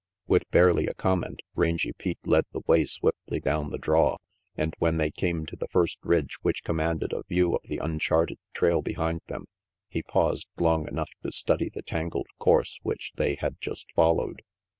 With barely a comment Rangy Pete led the way swiftly down the draw and when they came to the first ridge which commanded a view of the uncharted trail behind them, he paused long enough to study the tangled course which they had just followed.